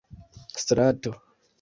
strato